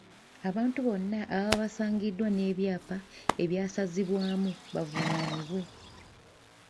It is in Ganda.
Abantu bonna ababa basangiddwa n’ebyapa ebyasazibwamu bavunaanibwe.